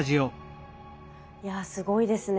いやすごいですね。